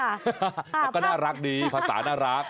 แล้วก็น่ารักดีภาษาน่ารัก